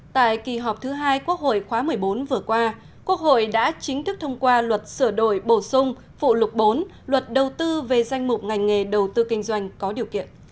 tại kỳ họp thứ hai quốc hội khóa một mươi bốn vừa qua quốc hội đã chính thức thông qua luật sửa đổi bổ sung phụ lục bốn luật đầu tư về danh mục ngành nghề đầu tư kinh doanh có điều kiện